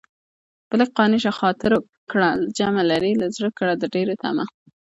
په لږ قانع شه خاطر کړه جمع لرې له زړه کړه د ډېرو طمع